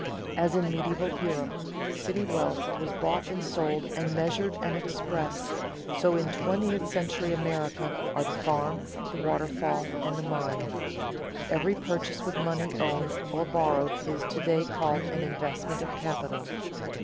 As in medieval Europe city wealth was bought and sold, and measured and expressed, so in twentieth century America are the farm, the waterfall, and the mine. Every purchase with money owned or borrowed is to day called an investment of capital.